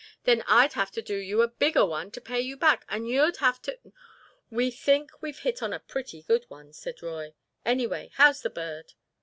"Then I'd have to do you a bigger one to pay back and you'd have to—" "We think we've hit on a pretty good one," said Roy. "Anyway, how's the bird?"